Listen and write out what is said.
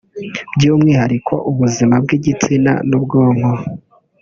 by’umwihariko ubuzima bw’igitsina n’ubwonko